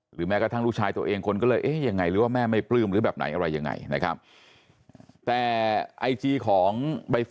แม้กระทั่งลูกชายตัวเองคนก็เลยเอ๊ะยังไงหรือว่าแม่ไม่ปลื้มหรือแบบไหนอะไรยังไงนะครับ